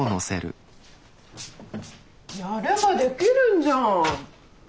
やればできるんじゃん！